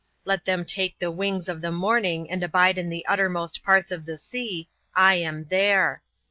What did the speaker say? Let them take the wings of the morning and abide in the uttermost parts of the sea I am there.